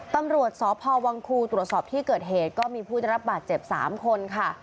ตำรวจสพวังคูตรวจสอบที่เกิดเหตุก็มีผู้ได้รับบาดเจ็บ๓คนค่ะ